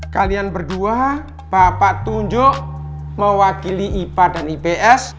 kalian berdua bapak tunjuk mewakili ipa dan ips